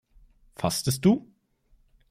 Fastest du?